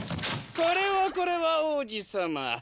これはこれは王子さま。